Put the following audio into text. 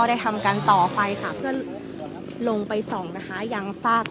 เลยออกไปทางไฟนิวเทคกามา็